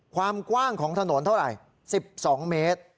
ความกว้างของถนนเท่าไหร่๑๒เมตร